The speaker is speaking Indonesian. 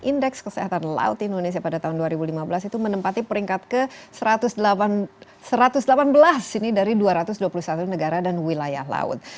indeks kesehatan laut indonesia pada tahun dua ribu lima belas itu menempati peringkat ke satu ratus delapan belas ini dari dua ratus dua puluh satu negara dan wilayah laut